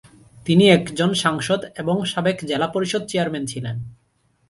তিনি একজন সাংসদ এবং সাবেক জেলা পরিষদ চেয়ারম্যান ছিলেন।